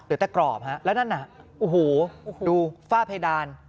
เดี๋ยวแต่กรอบแล้วนั่นน่ะโอ้โหดูฝ้าเพดาน